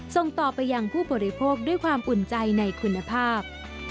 ส่งต่อไปยังผู้ประโยชน์โปรกด้วยความอุ่นใจในคุณภาพ